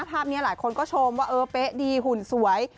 ภาพนี้หลายคนก็ชมว่าเออเป๊ะดีหุ่นสวย